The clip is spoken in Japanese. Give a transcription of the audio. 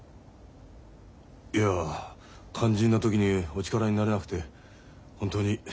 いや肝心な時にお力になれなくて本当に心苦しい限りです。